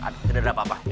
aduh tidak ada apa apa